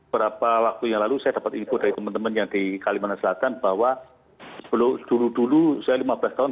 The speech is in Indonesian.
berapa waktu yang lalu saya dapat info dari teman teman yang di kalimantan selatan bahwa dulu dulu saya lima belas tahun